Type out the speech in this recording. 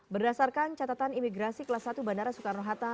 berdasarkan catatan imigrasi kelas satu bandara soekarno hatta